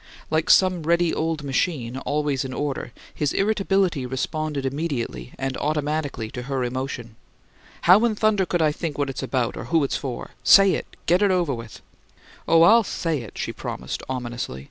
Like some ready old machine, always in order, his irritability responded immediately and automatically to her emotion. "How in thunder could I think what it's about, or who it's for? SAY it, and get it over!" "Oh, I'll 'say' it," she promised, ominously.